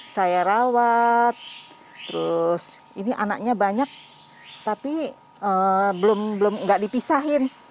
saya rawat terus ini anaknya banyak tapi belum nggak dipisahin